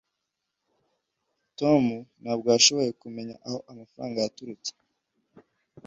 tom ntabwo yashoboye kumenya aho amafaranga yaturutse